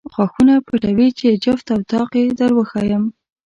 غاښونه پټوې چې جفت او طاق یې در وښایم.